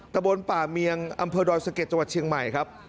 ตะบนป่าเมียงอำเภอดอยสะเก็ดจังหวัดเชียงใหม่ครับ